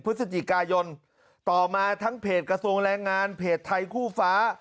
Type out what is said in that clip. พฤศจิกายนต่อมาทั้งเพจกระทรวงแรงงานเพจไทยคู่ฟ้า